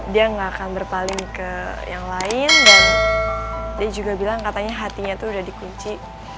dia nggak akan berpaling ke yang lain dan dia juga bilang katanya hatinya tuh udah dikunci